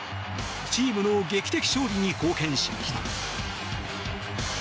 チームの劇的勝利に貢献しました。